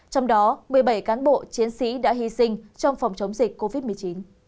trong đó một mươi bảy cán bộ chiến sĩ đã hy sinh trong phòng chống dịch covid một mươi chín